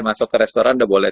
masuk ke restoran udah boleh